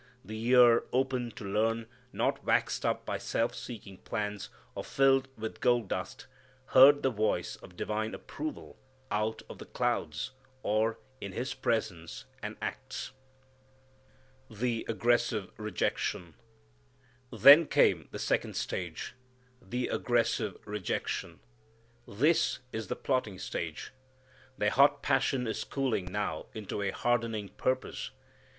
The ear open to learn, not waxed up by self seeking plans, or filled with gold dust, heard the voice of divine approval out of the clouds, or in His presence and acts. The Aggressive Rejection. Then came the second stage, the aggressive rejection. This is the plotting stage. Their hot passion is cooling now into a hardening purpose.